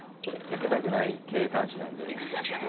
焼けたくない系男子なんで。